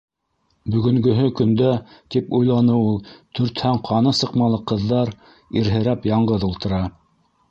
Бөгөнгөһө көндә, тип уйланы ул, төртһәң ҡаны сыҡмалы ҡыҙҙар ирһерәп яңғыҙ ултыра.